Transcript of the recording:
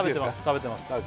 食べてます